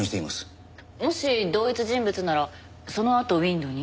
もし同一人物ならそのあとＷＩＮＤに？